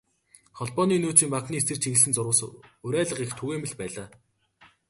Холбооны нөөцийн банкны эсрэг чиглэсэн зурвас, уриалга их түгээмэл байлаа.